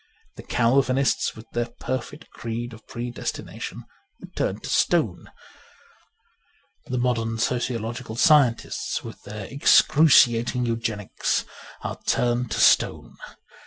The Calvinists, with their perfect creed of predestination, were turned to stone ; the modern sociological scientists (with their excruciating Eugenics) are turned to stone.